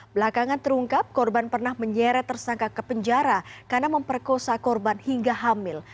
belakangan terungkap korban pernah menyeret tersangka ke penjara karena memperkosa korban hingga hamil